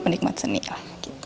menikmat seni lah